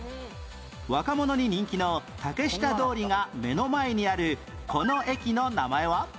若者に人気の竹下通りが目の前にあるこの駅の名前は？